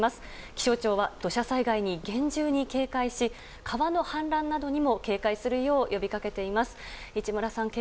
気象庁は土砂災害に厳重に警戒し川の氾濫などにも警戒するよう呼びかけています。